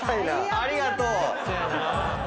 ありがとう。